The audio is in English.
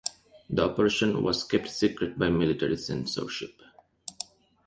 The operation was kept secret by military censorship.